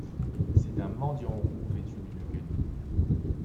C’est un mendiant roux, vêtu d’une guenille